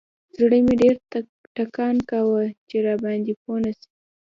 زړه مې ډېر ټکان کاوه چې راباندې پوه نسي.